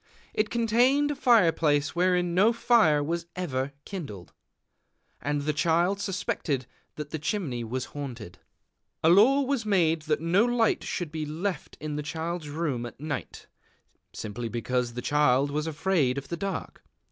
It contained a fire place wherein no fire was ever kindled; and the Child suspected that the chimney was haunted. A law was made that no light should be left in the Child's Room at night, simply because the Child was afraid of the dark.